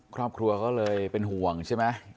ครอบครัวก็เลยเป็นห่วงใช่ไหม